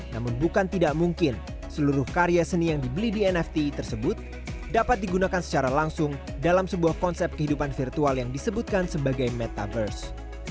namun bukan tidak mungkin seluruh karya seni yang dibeli di nft tersebut dapat digunakan secara langsung dalam sebuah konsep kehidupan virtual yang disebutkan sebagai metaverse